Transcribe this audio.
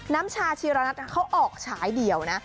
น้ำชาชีรณัทเขาออกฉายเดียวนะ